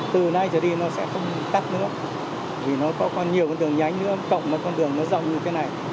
từ nay trở đi nó sẽ không tắc nữa vì nó có nhiều con đường nhánh nữa cộng một con đường nó rộng như thế này